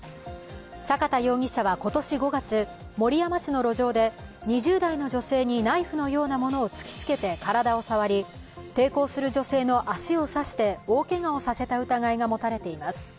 坂田容疑者は今年５月、守山市の路上で２０代の女性にナイフのようなものを突きつけて体を触り抵抗する女性の足を刺して大けがをさせた疑いが持たれています。